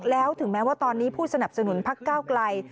แล้วถึงแม้ว่าตอนนี้ผู้สนับสนุนพักก้าวไกล